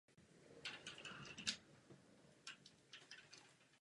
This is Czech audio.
Boj začal odpoledne a trval až do noci.